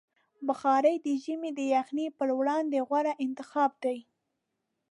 بخاري د ژمي د یخنۍ پر وړاندې غوره انتخاب دی.